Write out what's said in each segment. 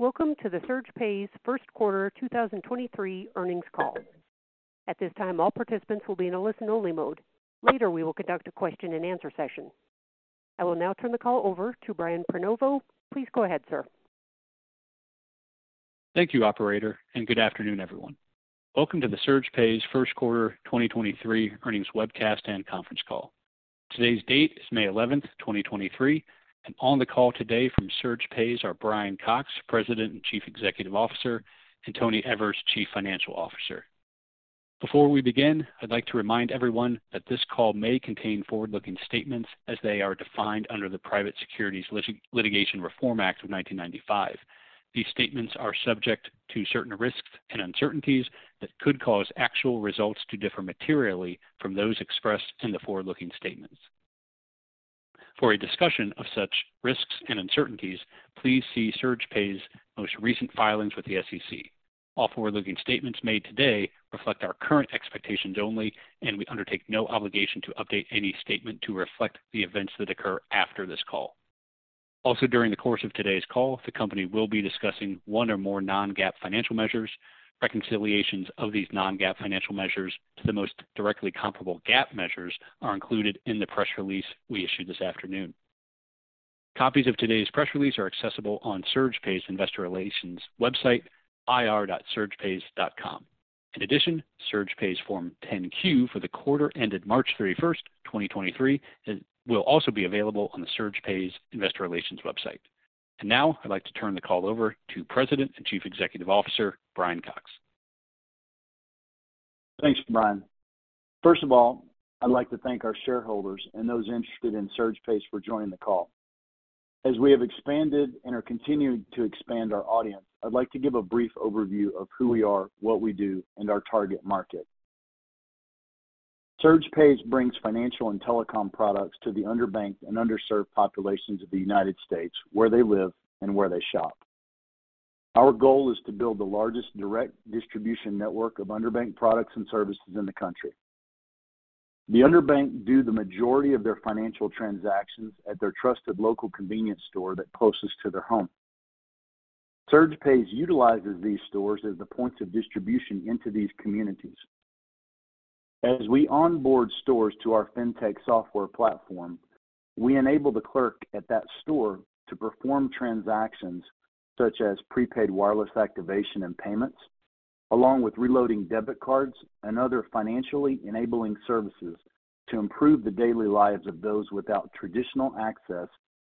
Welcome to the SurgePays first quarter 2023 earnings call. At this time, all participants will be in a listen-only mode. Later, we will conduct a question-and-answer session. I will now turn the call over to Brian Prenoveau. Please go ahead, sir. Thank you, operator, and good afternoon, everyone. Welcome to the SurgePays first quarter 2023 earnings webcast and conference call. Today's date is May 11th, 2023. On the call today from SurgePays are Brian Cox, President and Chief Executive Officer, and Tony Evers, Chief Financial Officer. Before we begin, I'd like to remind everyone that this call may contain forward-looking statements as they are defined under the Private Securities Litigation Reform Act of 1995. These statements are subject to certain risks and uncertainties that could cause actual results to differ materially from those expressed in the forward-looking statements. For a discussion of such risks and uncertainties, please see SurgePays most recent filings with the SEC. All forward-looking statements made today reflect our current expectations only, and we undertake no obligation to update any statement to reflect the events that occur after this call. Also, during the course of today's call, the company will be discussing one or more non-GAAP financial measures. Reconciliations of these non-GAAP financial measures to the most directly comparable GAAP measures are included in the press release we issued this afternoon. Copies of today's press release are accessible on SurgePays investor relations website, ir.surgepays.com. SurgePays Form 10-Q for the quarter ended March 31st, 2023 will also be available on the SurgePays investor relations website. Now I'd like to turn the call over to President and Chief Executive Officer, Brian Cox. Thanks, Brian. First of all, I'd like to thank our shareholders and those interested in SurgePays for joining the call. As we have expanded and are continuing to expand our audience, I'd like to give a brief overview of who we are, what we do, and our target market. SurgePays brings financial and telecom products to the underbanked and underserved populations of the United States, where they live and where they shop. Our goal is to build the largest direct distribution network of underbanked products and services in the country. The underbanked do the majority of their financial transactions at their trusted local convenience store that closest to their home. SurgePays utilizes these stores as the points of distribution into these communities. As we onboard stores to our FinTech software platform, we enable the clerk at that store to perform transactions such as prepaid wireless activation and payments, along with reloading debit cards and other financially enabling services to improve the daily lives of those without traditional access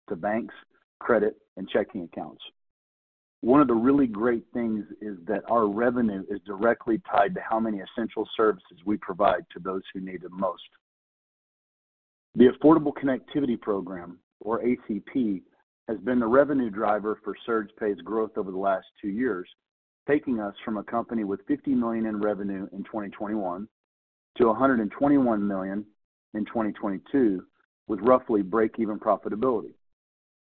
to banks, credit, and checking accounts. One of the really great things is that our revenue is directly tied to how many essential services we provide to those who need it most. The Affordable Connectivity Program, or ACP, has been the revenue driver for SurgePays growth over the last two years, taking us from a company with $50 million in revenue in 2021 to $121 million in 2022, with roughly break-even profitability.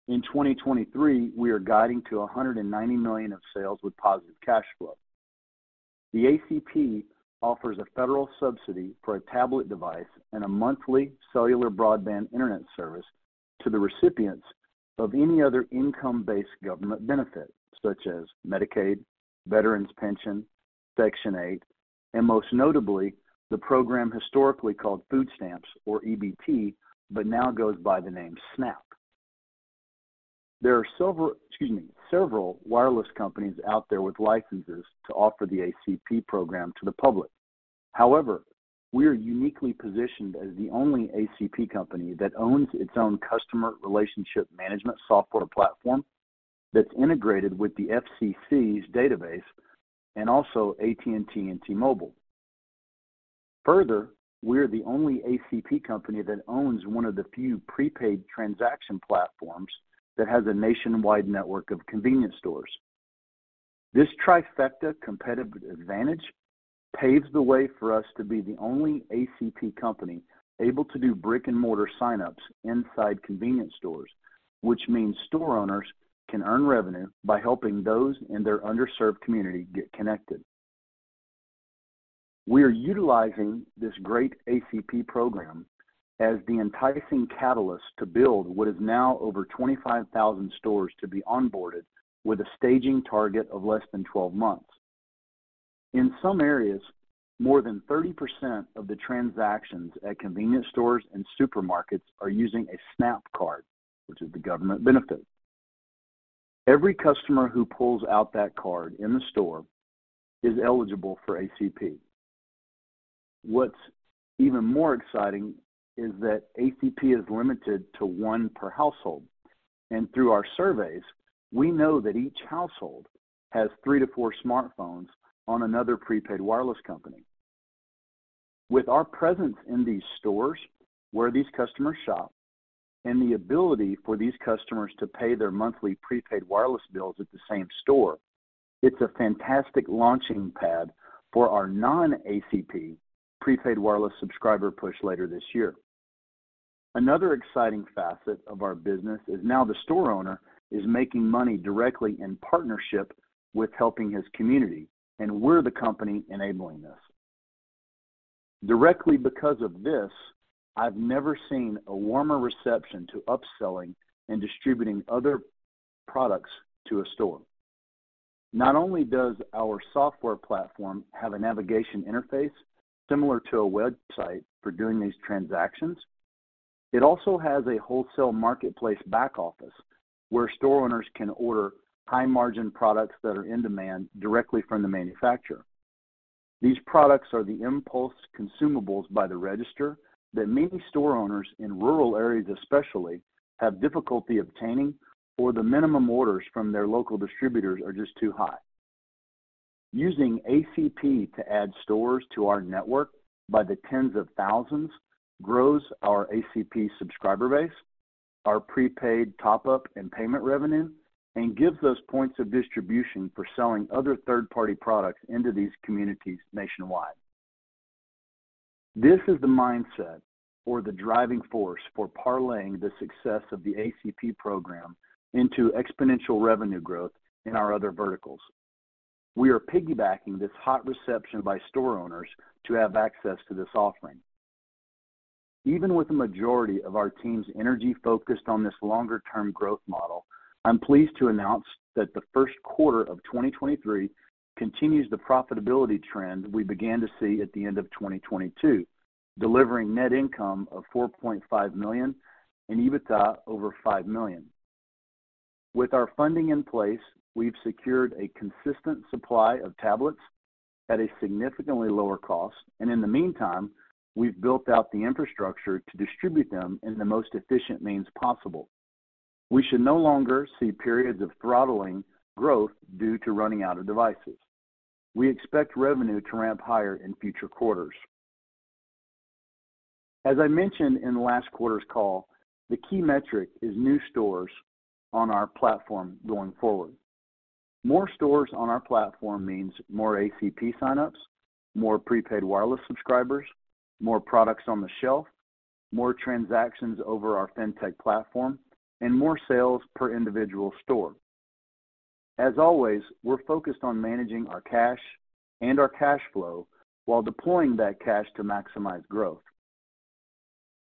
In 2023, we are guiding to $190 million of sales with positive cash flow. The ACP offers a federal subsidy for a tablet device and a monthly cellular broadband internet service to the recipients of any other income-based government benefit, such as Medicaid, Veterans Pension, Section 8, and most notably, the program historically called Food Stamps or EBT, but now goes by the name SNAP. There are several, excuse me, several wireless companies out there with licenses to offer the ACP program to the public. We are uniquely positioned as the only ACP company that owns its own customer relationship management software platform that's integrated with the FCC's database and also AT&T and T-Mobile. We are the only ACP company that owns one of the few prepaid transaction platforms that has a nationwide network of convenience stores. This trifecta competitive advantage paves the way for us to be the only ACP company able to do brick-and-mortar sign-ups inside convenience stores, which means store owners can earn revenue by helping those in their underserved community get connected. We are utilizing this great ACP program as the enticing catalyst to build what is now over 25,000 stores to be onboarded with a staging target of less than 12 months. In some areas, more than 30% of the transactions at convenience stores and supermarkets are using a SNAP card, which is the government benefit. Every customer who pulls out that card in the store is eligible for ACP. What's even more exciting is that ACP is limited to one per household, and through our surveys, we know that each household has three to four smartphones on another prepaid wireless company. With our presence in these stores where these customers shop and the ability for these customers to pay their monthly prepaid wireless bills at the same store, it's a fantastic launching pad for our non-ACP prepaid wireless subscriber push later this year. Another exciting facet of our business is now the store owner is making money directly in partnership with helping his community, and we're the company enabling this. Directly because of this, I've never seen a warmer reception to upselling and distributing other products to a store. Not only does our software platform have a navigation interface similar to a website for doing these transactions, it also has a wholesale marketplace back office where store owners can order high-margin products that are in demand directly from the manufacturer. These products are the impulse consumables by the register that many store owners in rural areas especially have difficulty obtaining, or the minimum orders from their local distributors are just too high. Using ACP to add stores to our network by the tens of thousands grows our ACP subscriber base, our prepaid top-up and payment revenue, and gives us points of distribution for selling other third-party products into these communities nationwide. This is the mindset or the driving force for parlaying the success of the ACP program into exponential revenue growth in our other verticals. We are piggybacking this hot reception by store owners to have access to this offering. Even with the majority of our team's energy focused on this longer-term growth model, I'm pleased to announce that the first quarter of 2023 continues the profitability trend we began to see at the end of 2022, delivering net income of $4.5 million and EBITDA over $5 million. With our funding in place, we've secured a consistent supply of tablets at a significantly lower cost. In the meantime, we've built out the infrastructure to distribute them in the most efficient means possible. We should no longer see periods of throttling growth due to running out of devices. We expect revenue to ramp higher in future quarters. As I mentioned in last quarter's call, the key metric is new stores on our platform going forward. More stores on our platform means more ACP signups, more prepaid wireless subscribers, more products on the shelf, more transactions over our FinTech platform, and more sales per individual store. As always, we're focused on managing our cash and our cash flow while deploying that cash to maximize growth.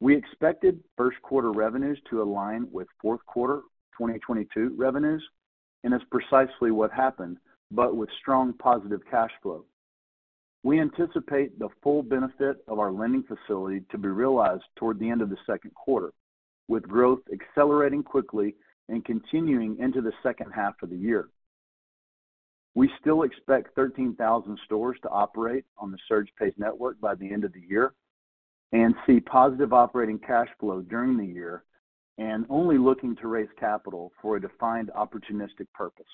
We expected first quarter revenues to align with fourth quarter 2022 revenues, and that's precisely what happened, but with strong positive cash flow. We anticipate the full benefit of our lending facility to be realized toward the end of the second quarter, with growth accelerating quickly and continuing into the second half of the year. We still expect 13,000 stores to operate on the SurgePays network by the end of the year and see positive operating cash flow during the year and only looking to raise capital for a defined opportunistic purpose.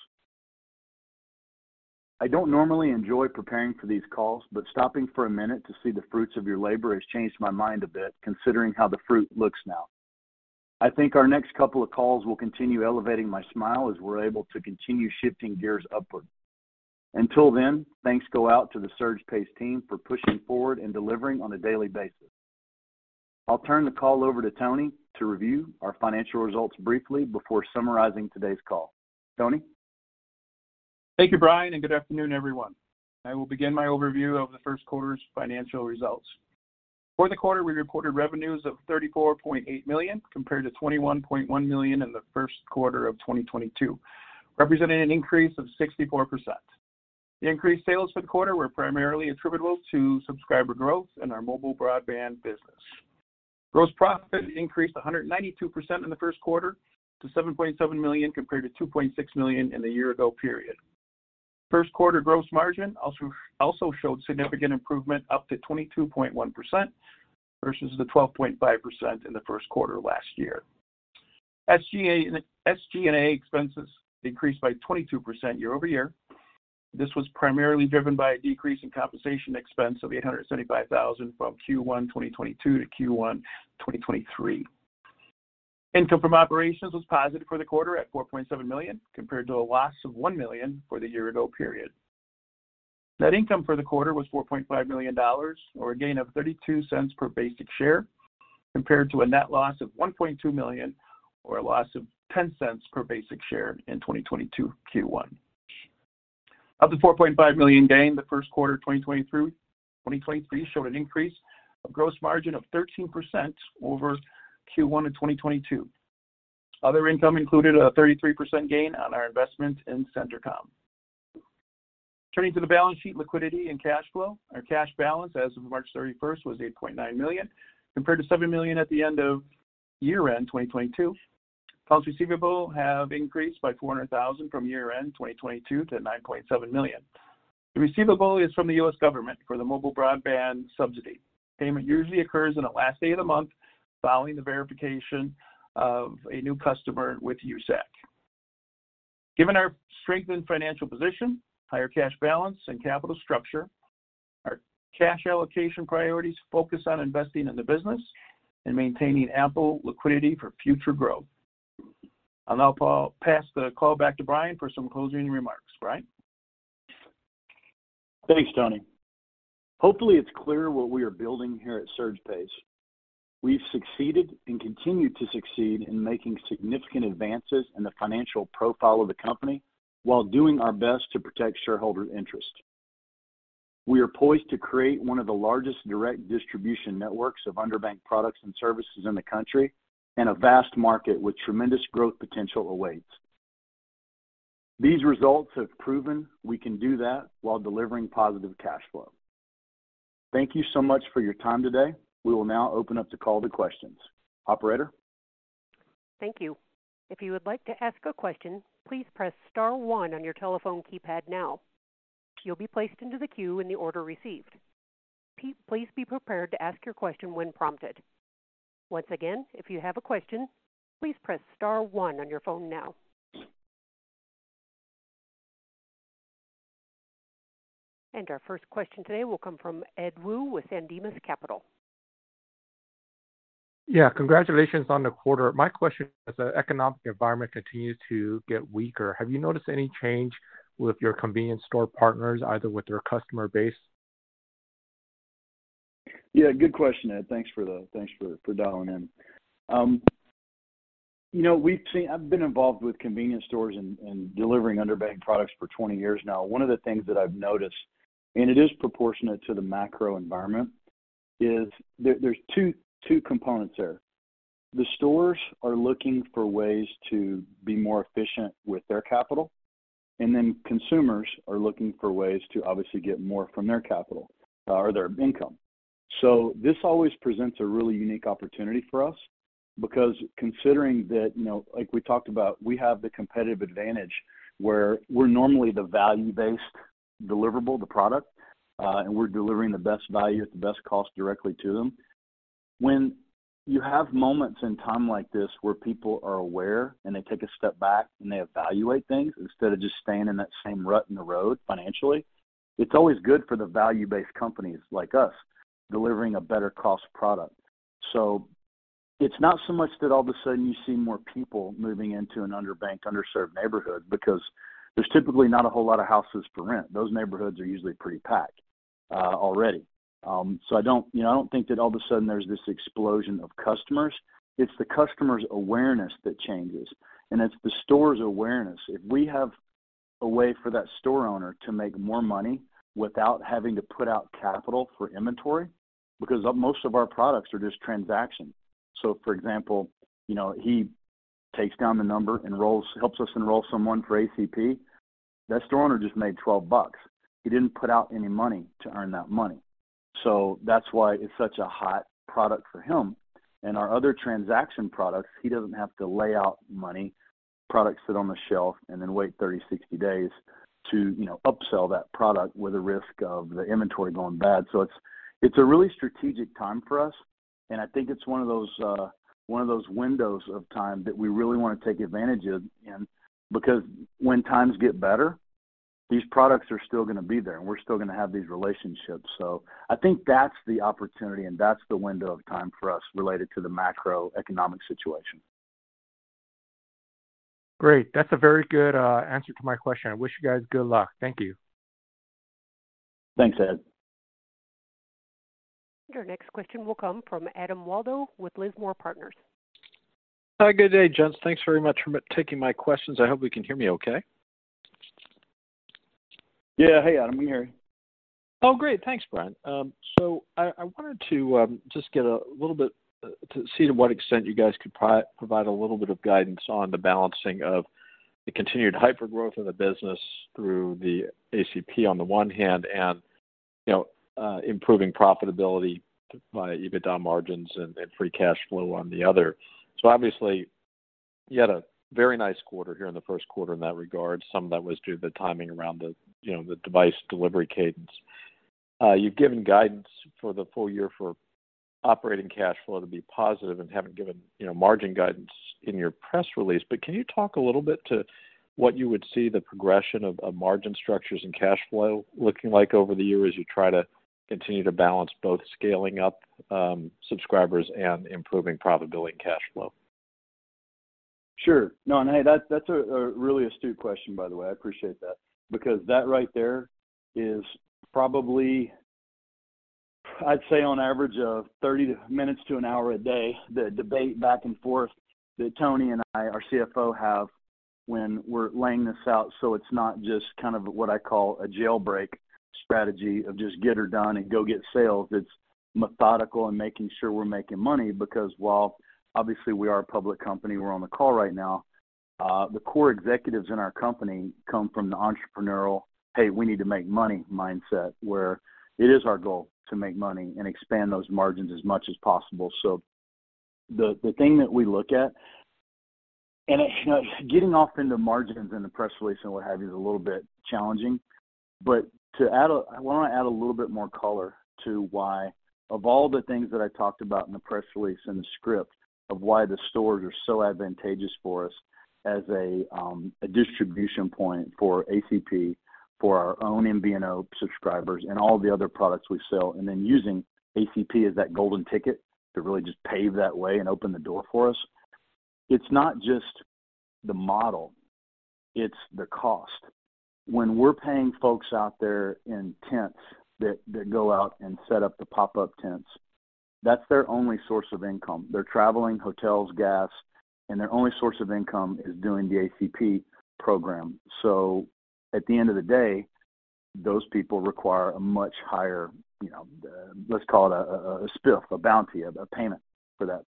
I don't normally enjoy preparing for these calls, but stopping for a minute to see the fruits of your labor has changed my mind a bit, considering how the fruit looks now. I think our next couple of calls will continue elevating my smile as we're able to continue shifting gears upward. Until then, thanks go out to the SurgePays team for pushing forward and delivering on a daily basis. I'll turn the call over to Tony to review our financial results briefly before summarizing today's call. Tony. Thank you, Brian. Good afternoon, everyone. I will begin my overview of the first quarter's financial results. For the quarter, we recorded revenues of $34.8 million, compared to $21.1 million in the first quarter of 2022, representing an increase of 64%. The increased sales for the quarter were primarily attributable to subscriber growth in our mobile broadband business. Gross profit increased 192% in the first quarter to $7.7 million, compared to $2.6 million in the year ago period. First quarter gross margin also showed significant improvement, up to 22.1% versus the 12.5% in the first quarter last year. SG&A expenses increased by 22% year-over-year. This was primarily driven by a decrease in compensation expense of $875,000 from Q1 2022 to Q1 2023. Income from operations was positive for the quarter at $4.7 million, compared to a loss of $1 million for the year ago period. Net income for the quarter was $4.5 million, or a gain of $0.32 per basic share, compared to a net loss of $1.2 million, or a loss of $0.10 per basic share in 2022 Q1. Of the $4.5 million gain, the first quarter 2023 showed an increase of gross margin of 13% over Q1 of 2022. Other income included a 33% gain on our investment in Centrecom. Turning to the balance sheet, liquidity, and cash flow. Our cash balance as of March 31st was $8.9 million, compared to $7 million at the end of year-end 2022. Accounts receivable have increased by $400,000 from year-end 2022 to $9.7 million. The receivable is from the US government for the mobile broadband subsidy. Payment usually occurs in the last day of the month following the verification of a new customer with USAC. Given our strengthened financial position, higher cash balance and capital structure, our cash allocation priorities focus on investing in the business and maintaining ample liquidity for future growth. I'll now pass the call back to Brian for some closing remarks. Brian? Thanks, Tony. Hopefully, it's clear what we are building here at SurgePays. We've succeeded and continue to succeed in making significant advances in the financial profile of the company while doing our best to protect shareholder interest. We are poised to create one of the largest direct distribution networks of underbanked products and services in the country, and a vast market with tremendous growth potential awaits. These results have proven we can do that while delivering positive cash flow. Thank you so much for your time today. We will now open up the call to questions. Operator? Thank you. If you would like to ask a question, please press star one on your telephone keypad now. You'll be placed into the queue in the order received. Please be prepared to ask your question when prompted. Once again, if you have a question, please press star one on your phone now. Our first question today will come from Ed Woo with Ascendiant Capital. Yeah, congratulations on the quarter. My question, as the economic environment continues to get weaker, have you noticed any change with your convenience store partners, either with their customer base? Yeah, good question, Ed. Thanks for dialing in. You know, I've been involved with convenience stores and delivering underbanked products for 20 years now. One of the things that I've noticed, it is proportionate to the macro environment, there's two components there. The stores are looking for ways to be more efficient with their capital, consumers are looking for ways to obviously get more from their capital or their income. This always presents a really unique opportunity for us because considering that, you know, like we talked about, we have the competitive advantage where we're normally the value-based deliverable, the product, and we're delivering the best value at the best cost directly to them. When you have moments in time like this where people are aware and they take a step back and they evaluate things instead of just staying in that same rut in the road financially, it's always good for the value-based companies like us, delivering a better cost product. It's not so much that all of a sudden you see more people moving into an underbanked, underserved neighborhood because there's typically not a whole lot of houses to rent. Those neighborhoods are usually pretty packed already. I don't, you know, I don't think that all of a sudden there's this explosion of customers. It's the customer's awareness that changes, and it's the store's awareness. If we have a way for that store owner to make more money without having to put out capital for inventory, because of most of our products are just transaction. For example, you know, he takes down the number, enrolls, helps us enroll someone for ACP. That store owner just made $12. He didn't put out any money to earn that money. That's why it's such a hot product for him. Our other transaction products, he doesn't have to lay out money, products sit on the shelf and then wait 30, 60 days to, you know, upsell that product with the risk of the inventory going bad. It's, it's a really strategic time for us, and I think it's one of those, one of those windows of time that we really want to take advantage of. Because when times get better, these products are still gonna be there, and we're still gonna have these relationships. I think that's the opportunity and that's the window of time for us related to the macroeconomic situation. Great. That's a very good answer to my question. I wish you guys good luck. Thank you. Thanks, Ed. Our next question will come from Adam Waldo with Lismore Partners. Hi, good day, gents. Thanks very much for taking my questions. I hope we can hear me okay. Yeah. Hey, Adam, we hear you. Oh, great. Thanks, Brian. I wanted to, just get a little bit, to see to what extent you guys could provide a little bit of guidance on the balancing of the continued hypergrowth of the business through the ACP on the one hand and, you know, improving profitability by EBITDA margins and free cash flow on the other. Obviously, you had a very nice quarter here in the first quarter in that regard. Some of that was due to the timing around the, you know, the device delivery cadence. You've given guidance for the full year for operating cash flow to be positive and haven't given, you know, margin guidance in your press release. Can you talk a little bit to what you would see the progression of margin structures and cash flow looking like over the year as you try to continue to balance both scaling up, subscribers and improving profitability and cash flow? Sure. No. Hey, that's a really astute question, by the way. I appreciate that because that right there is probably, I'd say, on average of 30 minutes to an hour a day, the debate back and forth that Tony and I, our CFO, have when we're laying this out. It's not just kind of what I call a jailbreak strategy of just get her done and go get sales. It's methodical and making sure we're making money because while obviously we are a public company, we're on the call right now, the core executives in our company come from the entrepreneurial, "Hey, we need to make money" mindset, where it is our goal to make money and expand those margins as much as possible. The thing that we look at, and it... You know, getting off into margins in the press release and what have you is a little bit challenging. I want to add a little bit more color to why, of all the things that I talked about in the press release and the script, of why the stores are so advantageous for us as a distribution point for ACP, for our own MVNO subscribers and all the other products we sell, and then using ACP as that golden ticket to really just pave that way and open the door for us. It's not just the model, it's the cost. When we're paying folks out there in tents that go out and set up the pop-up tents, that's their only source of income. They're traveling, hotels, gas, and their only source of income is doing the ACP program. At the end of the day, those people require a much higher, you know, a spiff, a bounty, a payment for that.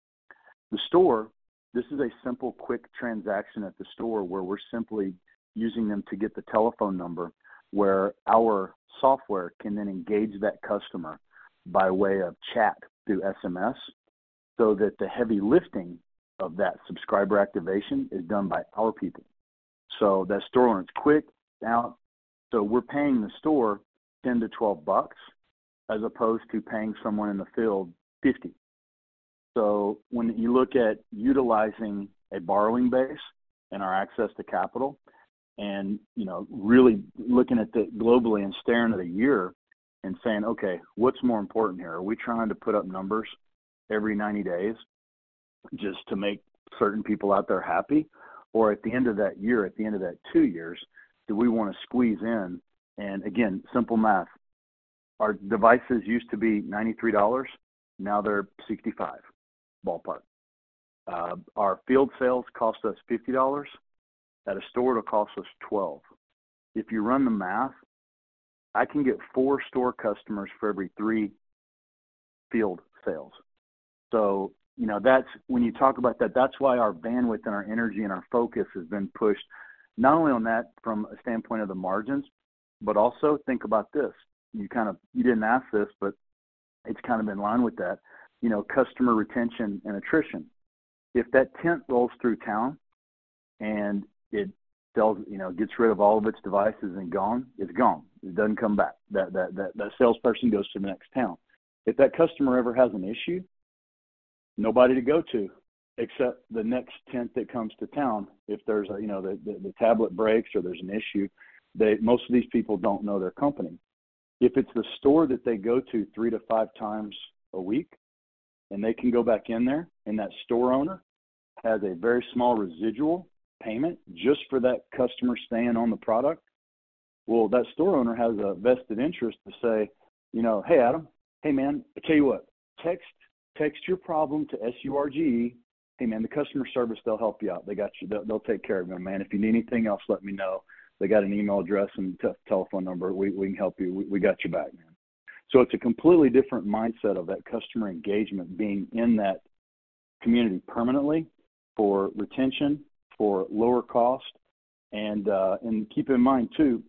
The store, this is a simple, quick transaction at the store where we're simply using them to get the telephone number, where our software can then engage that customer by way of chat through SMS, so that the heavy lifting of that subscriber activation is done by our people. That store run's quick, out, so we're paying the store $10-$12 as opposed to paying someone in the field $50. When you look at utilizing a borrowing base and our access to capital and, you know, really looking at the globally and staring at a year and saying, "Okay, what's more important here? Are we trying to put up numbers every 90 days just to make certain people out there happy? Or at the end of that year, at the end of that two years, do we wanna squeeze in? Again, simple math. Our devices used to be $93, now they're $65, ballpark. Our field sales cost us $50. At a store, it'll cost us $12. If you run the math, I can get four store customers for every three field sales. You know, when you talk about that's why our bandwidth and our energy and our focus has been pushed not only on that from a standpoint of the margins, but also think about this. You didn't ask this, but it's kind of in line with that. You know, customer retention and attrition. If that tent rolls through town and it sells, you know, gets rid of all of its devices and gone, it's gone. It doesn't come back. That salesperson goes to the next town. If that customer ever has an issue, nobody to go to except the next tent that comes to town if there's a, you know, the tablet breaks or there's an issue, most of these people don't know their company. If it's the store that they go to 3 to 5 times a week, and they can go back in there, and that store owner has a very small residual payment just for that customer staying on the product, well, that store owner has a vested interest to say, you know, "Hey, Adam. Hey, man, I tell you what. Text your problem to SURG. Hey, man, the customer service, they'll help you out. They got you. They'll take care of you, man. If you need anything else, let me know. They got an email address and telephone number. We can help you. We got your back, man. It's a completely different mindset of that customer engagement being in that community permanently for retention, for lower cost. Keep in mind too,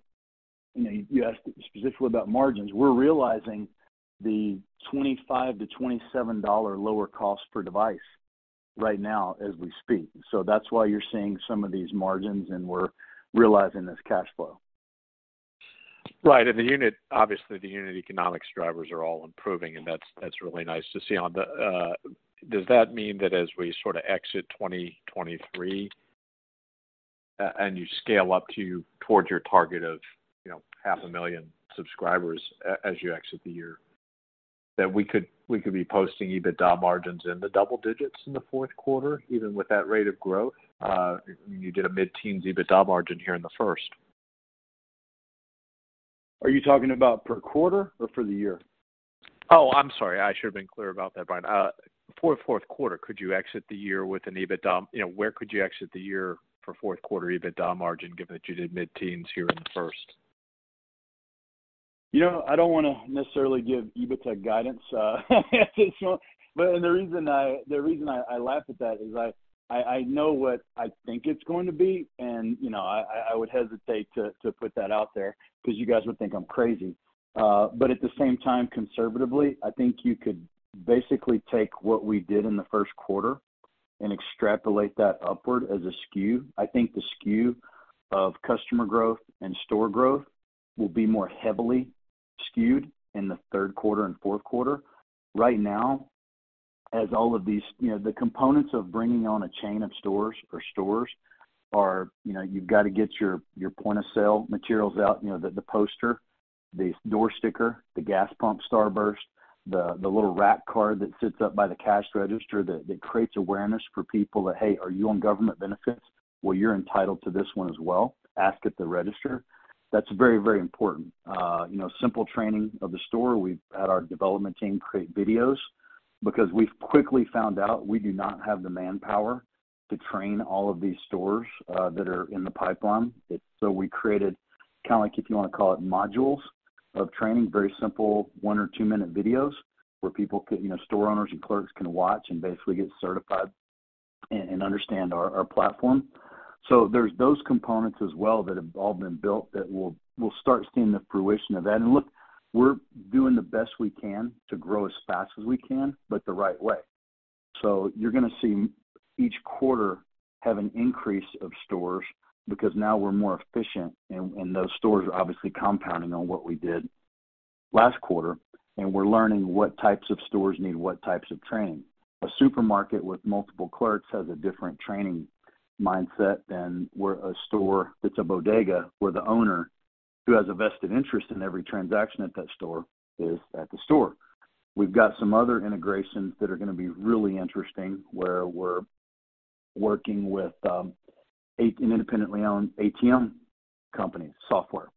you know, you asked specifically about margins. We're realizing the $25-$27 lower cost per device right now as we speak, so that's why you're seeing some of these margins and we're realizing this cash flow. Right. Obviously, the unit economics drivers are all improving, and that's really nice to see on the. Does that mean that as we sort of exit 2023, and you scale up to towards your target of, you know, half a million subscribers as you exit the year, that we could be posting EBITDA margins in the double digits in the fourth quarter, even with that rate of growth? You did a mid-teens EBITDA margin here in the first. Are you talking about per quarter or for the year? I'm sorry. I should have been clear about that, Brian. For fourth quarter, could you exit the year with an EBITDA? You know, where could you exit the year for fourth quarter EBITDA margin given that you did mid-teens here in the first? You know, I don't wanna necessarily give EBITDA guidance. The reason I laugh at that is I know what I think it's going to be and, you know, I would hesitate to put that out there 'cause you guys would think I'm crazy. At the same time, conservatively, I think you could basically take what we did in the first quarter and extrapolate that upward as a skew. I think the skew of customer growth and store growth will be more heavily skewed in the third quarter and fourth quarter. Right now, as all of these... You know, the components of bringing on a chain of stores or stores are, you know, you've got to get your point of sale materials out, you know, the poster, the door sticker, the gas pump starburst, the little rack card that sits up by the cash register that creates awareness for people that, "Hey, are you on government benefits? Well, you're entitled to this one as well. Ask at the register." That's very, very important. You know, simple training of the store. We've had our development team create videos because we've quickly found out we do not have the manpower to train all of these stores that are in the pipeline. We created kind of like, if you wanna call it, modules of training, very simple 1 or 2-minute videos where people can, you know, store owners and clerks can watch and basically get certified and understand our platform. There's those components as well that have all been built that we'll start seeing the fruition of that. Look, we're doing the best we can to grow as fast as we can, but the right way. You're gonna see each quarter have an increase of stores because now we're more efficient, and those stores are obviously compounding on what we did last quarter, and we're learning what types of stores need what types of training. A supermarket with multiple clerks has a different training mindset than we're a store that's a bodega where the owner, who has a vested interest in every transaction at that store, is at the store. We've got some other integrations that are gonna be really interesting, where we're working with, an independently owned ATM company software,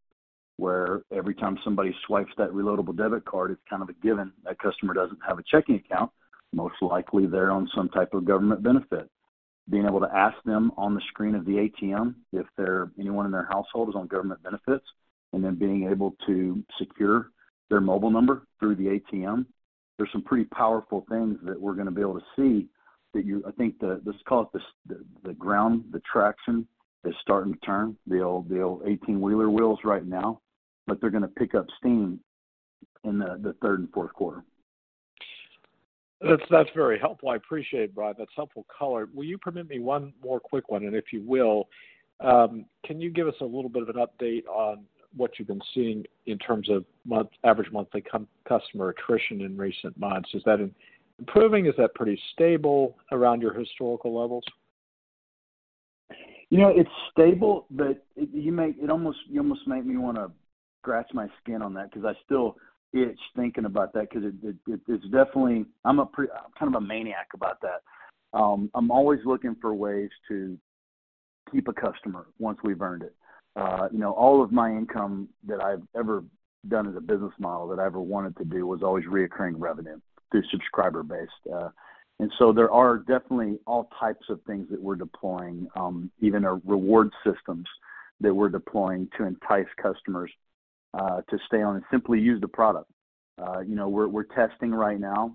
where every time somebody swipes that reloadable debit card, it's kind of a given that customer doesn't have a checking account, most likely they're on some type of government benefit. Being able to ask them on the screen of the ATM if anyone in their household is on government benefits, and then being able to secure their mobile number through the ATM. There's some pretty powerful things that we're gonna be able to see that I think the ground, the traction that's starting to turn, the old 18-wheeler wheels right now, but they're gonna pick up steam in the third and fourth quarter. That's very helpful. I appreciate it, Brian. That's helpful color. Will you permit me one more quick one? If you will, can you give us a little bit of an update on what you've been seeing in terms of average monthly customer attrition in recent months? Is that improving? Is that pretty stable around your historical levels? You know, it's stable, you almost make me wanna scratch my skin on that because I still itch thinking about that because it's definitely, I'm kind of a maniac about that. I'm always looking for ways to keep a customer once we've earned it. You know, all of my income that I've ever done as a business model that I ever wanted to do was always recurring revenue through subscriber-based. There are definitely all types of things that we're deploying, even our reward systems that we're deploying to entice customers, to stay on and simply use the product. You know, we're testing right now,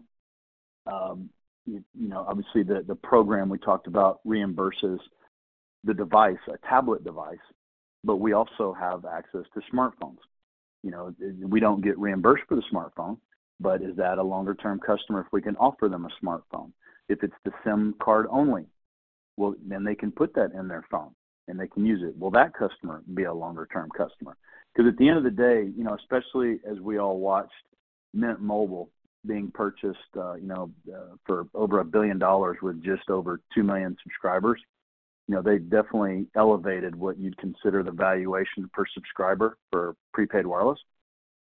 you know, obviously the program we talked about reimburses the device, a tablet device, but we also have access to smartphones. You know, we don't get reimbursed for the smartphone. Is that a longer-term customer if we can offer them a smartphone? If it's the SIM card only, well, then they can put that in their phone, and they can use it. Will that customer be a longer-term customer? 'Cause at the end of the day, you know, especially as we all watched Mint Mobile being purchased for over $1 billion with just over 2 million subscribers, you know, they definitely elevated what you'd consider the valuation per subscriber for prepaid wireless.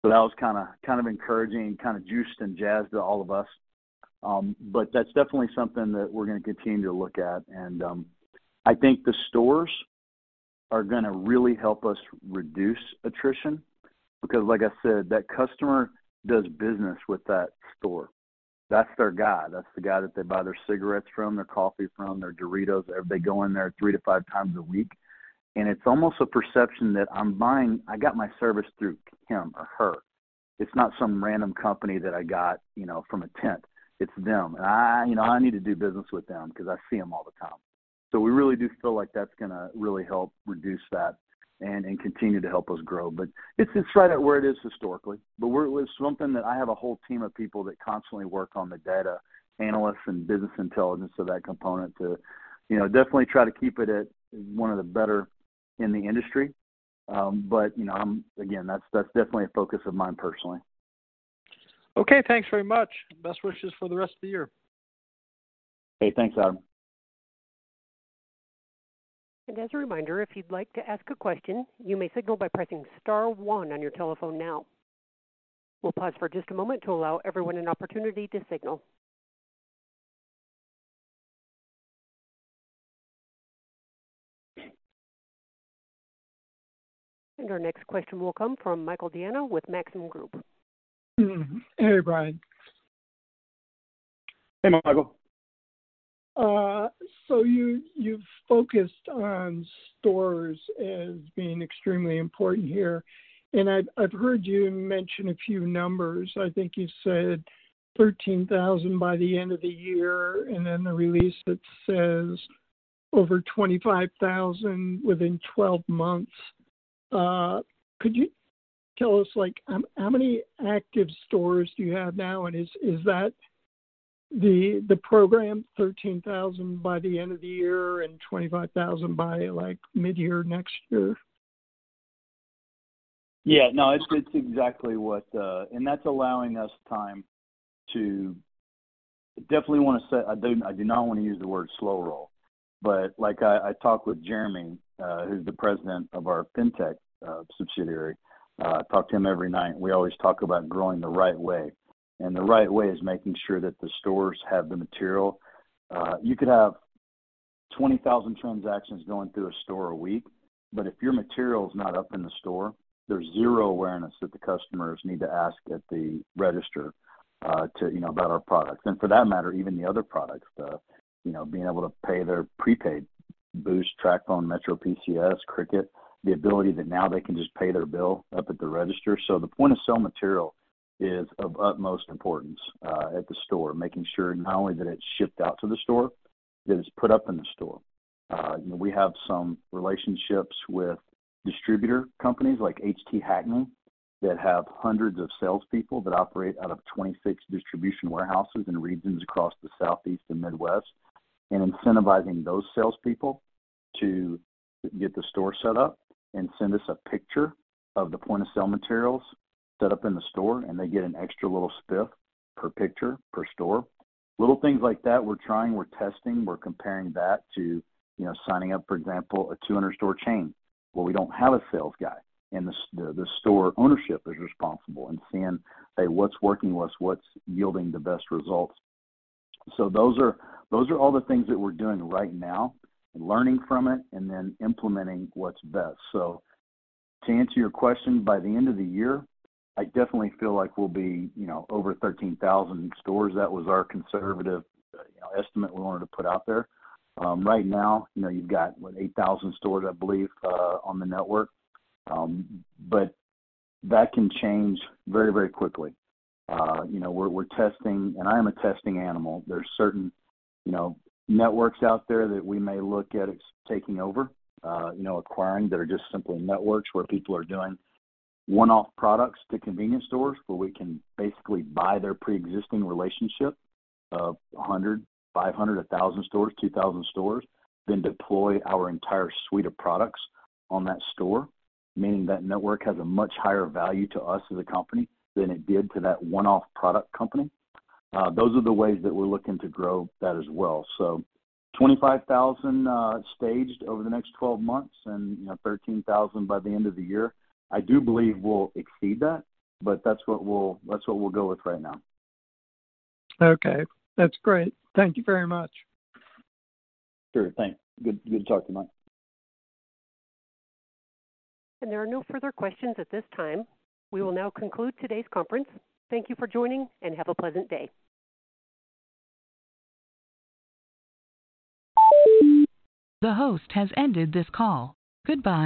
That was kind of encouraging, kinda juiced and jazzed to all of us. That's definitely something that we're gonna continue to look at. I think the stores are gonna really help us reduce attrition because like I said, that customer does business with that store. That's their guy. That's the guy that they buy their cigarettes from, their coffee from, their Doritos. They go in there three to five times a week, and it's almost a perception that I got my service through him or her. It's not some random company that I got, you know, from a tent. It's them. You know, I need to do business with them 'cause I see them all the time. We really do feel like that's gonna really help reduce that and continue to help us grow. It's right at where it is historically, but it's something that I have a whole team of people that constantly work on the data, analysts and business intelligence of that component to, you know, definitely try to keep it at one of the better in the industry. You know, I'm. That's definitely a focus of mine personally. Okay, thanks very much. Best wishes for the rest of the year. Hey, thanks, Adam. As a reminder, if you'd like to ask a question, you may signal by pressing star one on your telephone now. We'll pause for just a moment to allow everyone an opportunity to signal. Our next question will come from Michael Diana with Maxim Group. Hey, Brian. Hey, Michael. You, you've focused on stores as being extremely important here. I've heard you mention a few numbers. I think you said 13,000 by the end of the year and then a release that says over 25,000 within 12 months. Could you tell us, like, how many active stores do you have now? Is that the program 13,000 by the end of the year and 25,000 by, like, midyear next year? Yeah, no, it's exactly what. That's allowing us time to definitely. I do not wanna use the word slow roll, but like I talk with Jeremy, who's the president of our FinTech subsidiary, talk to him every night. We always talk about growing the right way. The right way is making sure that the stores have the material. You could have 20,000 transactions going through a store a week, but if your material is not up in the store, there's zero awareness that the customers need to ask at the register, to, you know, about our products. For that matter, even the other products, the, you know, being able to pay their prepaid Boost, TracFone, Metro PCS, Cricket, the ability that now they can just pay their bill up at the register. The point-of-sale material is of utmost importance at the store, making sure not only that it's shipped out to the store, that it's put up in the store. You know, we have some relationships with distributor companies like H.T. Hackney that have hundreds of salespeople that operate out of 26 distribution warehouses in regions across the Southeast and Midwest, and incentivizing those salespeople to get the store set up and send us a picture of the point-of-sale materials set up in the store, and they get an extra little spiff per picture, per store. Little things like that we're trying, we're testing, we're comparing that to, you know, signing up, for example, a 200-store chain where we don't have a sales guy and the store ownership is responsible and seeing, hey, what's working, what's yielding the best results. Those are all the things that we're doing right now and learning from it and then implementing what's best. To answer your question, by the end of the year, I definitely feel like we'll be, you know, over 13,000 stores. That was our conservative, you know, estimate we wanted to put out there. Right now, you know, you've got, what? 8,000 stores, I believe, on the network. That can change very, very quickly. You know, we're testing, and I am a testing animal. There's certain, you know, networks out there that we may look at it taking over, you know, acquiring that are just simply networks where people are doing one-off products to convenience stores where we can basically buy their pre-existing relationship of 100, 500, 1,000 stores, 2,000 stores, then deploy our entire suite of products on that store, meaning that network has a much higher value to us as a company than it did to that one-off product company. Those are the ways that we're looking to grow that as well. 25,000, staged over the next 12 months and, you know, 13,000 by the end of the year. I do believe we'll exceed that, but that's what we'll go with right now. Okay. That's great. Thank you very much. Sure. Thanks. Good, good talking to you, Mike. There are no further questions at this time. We will now conclude today's conference. Thank you for joining, and have a pleasant day. The host has ended this call. Goodbye.